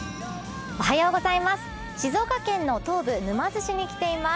静岡県の東部、沼津市に来ています。